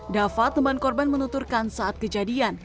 dava teman korban menuturkan saat kejadian